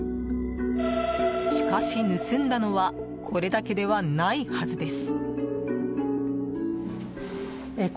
しかし、盗んだのはこれだけではないはずです。